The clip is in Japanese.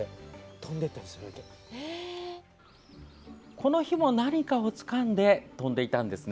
この日も何かをつかんで飛んでいたんですね。